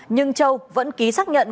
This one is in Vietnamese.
nhưng châu vẫn ký xác nhận